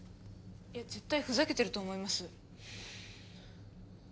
絶対ふざけてると思います。